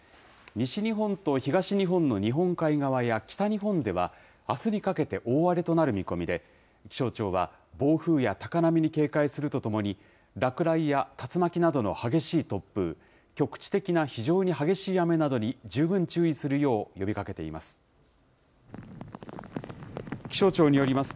西日本と東日本の日本海側や北日本では、あすにかけて大荒れとなる見込みで、気象庁は、暴風や高波に警戒するとともに、落雷や竜巻などの激しい突風、局地的な非常に激しい雨などに十分注意するよう呼びかけています。